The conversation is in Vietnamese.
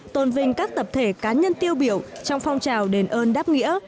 tôn vinh các tập thể cá nhân tiêu biểu trong phong trào đền ơn đáp nghĩa